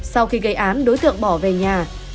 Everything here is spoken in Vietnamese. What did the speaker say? sau khi gây án đối tượng bỏ về nhà